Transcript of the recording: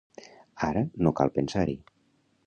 Ara, no cal pensar-hi.